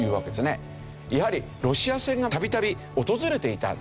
やはりロシア船が度々訪れていた。